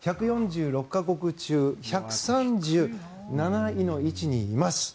１４６か国中１３７位の位置にいます。